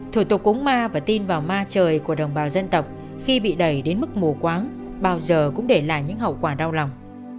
thủ tục cúng ma và tin vào ma trời của đồng bào dân tộc khi bị đẩy đến mức mù quáng bao giờ cũng để lại những hậu quả đau lòng